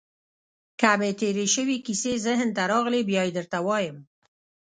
که مې تېرې شوې کیسې ذهن ته راغلې، بیا يې درته وایم.